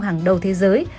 hàng đầu thế giới